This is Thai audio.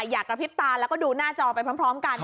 กระพริบตาแล้วก็ดูหน้าจอไปพร้อมกัน